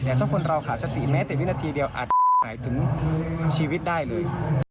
แต่ถ้าคนเราขาดสติแม้แต่วินาทีเดียวอาจจะหมายถึงชีวิตได้เลย